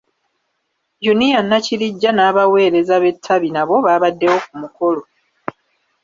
Unia Nakirijja n'abaweereza b'ettabi nabo baabaddewo ku mukolo.